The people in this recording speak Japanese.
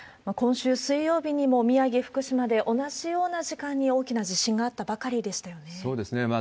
今週水曜日にも宮城、福島で同じような時間に大きな地震があったばかりでしたよね。